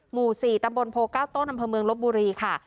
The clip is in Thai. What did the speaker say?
หมู่สี่ตำบลโพก้าวโต้นนำเพิงลบบุรีค่ะ